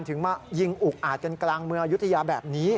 ถึงมายิงอุกอาจกันกลางเมืองอายุทยาแบบนี้